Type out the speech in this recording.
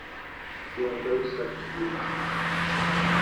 There are no subcommunities.